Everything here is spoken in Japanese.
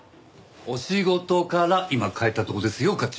お仕事から今帰ったとこですよ課長。